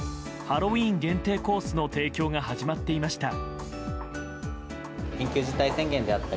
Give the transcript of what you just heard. ハロウィーン限定コースの提供が始まっていました。